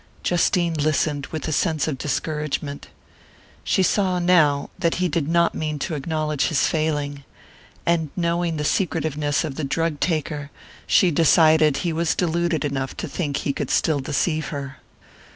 Justine listened with a sense of discouragement. She saw now that he did not mean to acknowledge his failing, and knowing the secretiveness of the drug taker she decided that he was deluded enough to think he could still deceive her.